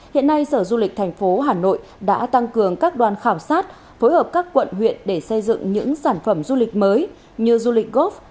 hiện nay sở du lịch thành phố hà nội đã tăng cường các đoàn khảo sát phối hợp các quận huyện để xây dựng những sản phẩm du lịch mới như du lịch góp